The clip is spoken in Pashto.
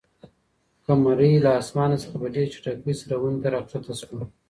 قمرۍ له اسمانه څخه په ډېرې چټکۍ سره ونې ته راښکته شوه.